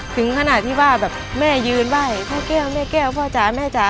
ถึงขนาดที่ว่าแบบแม่ยืนไหว้พ่อแก้วแม่แก้วพ่อจ๋าแม่จ๋า